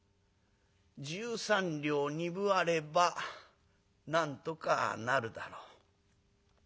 十三両二分あればなんとかなるだろう。